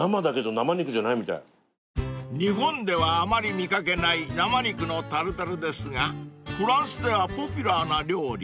［日本ではあまり見掛けない生肉のタルタルですがフランスではポピュラーな料理。